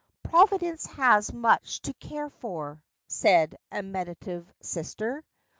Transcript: " Providence has much to care for," Said a meditative sister.